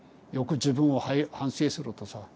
よく自分を反省するとさ。